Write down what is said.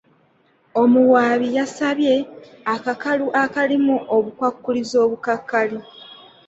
Omuwaabi yasabye akakalu akalimu obukwakkulizo obukakali.